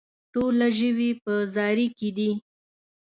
ټوله ژوي په زاري کې دي.